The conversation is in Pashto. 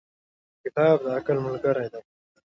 • کتاب د عقل ملګری دی.